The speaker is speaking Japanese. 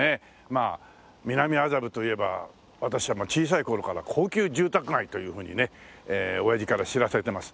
まあ南麻布といえば私は小さい頃から高級住宅街というふうにね親父から知らされてます。